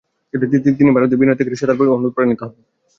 তিনি ভারতীয় বীণার থেকে সেতার তৈরিতে অনুপ্রাণিত হন।